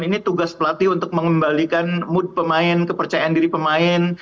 ini tugas pelatih untuk mengembalikan mood pemain kepercayaan diri pemain